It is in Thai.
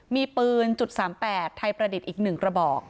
มีปืน๓๘ไทยประดิษฐ์อีก๑กระบอก